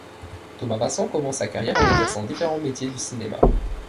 Thomas Vincent commence sa carrière en exerçant différents métiers du cinéma.